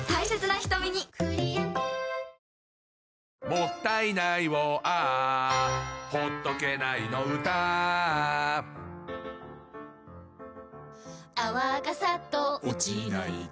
「もったいないをＡｈ」「ほっとけないの唄Ａｈ」「泡がサッと落ちないと」